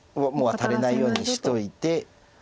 ワタれないようにしといて。